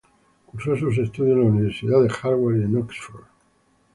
Cursó sus estudios en la Universidad de Harvard y en Oxford.